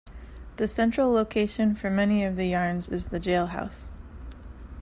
The central location for many of the yarns is the Jailhouse.